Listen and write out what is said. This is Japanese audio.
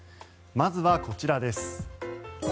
まずはこちらです。